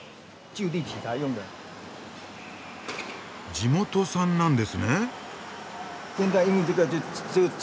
地元産なんですね？